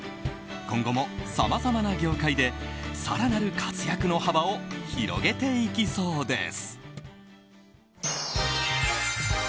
今後もさまざまな業界で更なる活躍の幅を広げていきそうです。